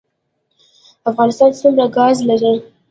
افغانستان څومره ګاز لري؟